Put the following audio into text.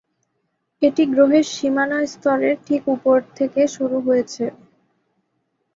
এটি গ্রহের সীমানা স্তরের ঠিক উপর থেকে শুরু হয়েছে।